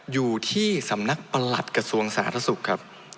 อยู่ที่สำนักประหลัดกระทรวงสาธารณสุขครับ